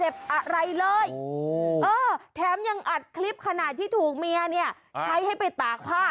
เออแถมยังอัดคลิปขนาดที่ถูกเมียนี่ใช้ให้ไปตากผ้า